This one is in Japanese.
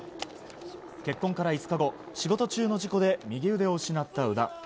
結婚から５日後、仕事中の事故で右腕を失った宇田。